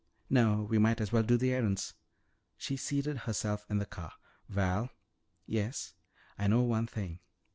"No. We might as well do the errands." She seated herself in the car. "Val " "Yes?" "I know one thing."